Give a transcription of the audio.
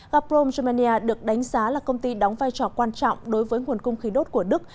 gaprom romania được đánh giá là công ty đóng vai trò quan trọng đối với nguồn cung khí đốt của đức